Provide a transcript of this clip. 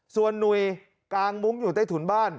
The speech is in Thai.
ส่วนหนุ่ยกางมุ้งอยู่ใต้ถุนบ้าน